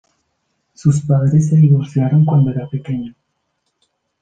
Sus padres se divorciaron cuando era pequeño.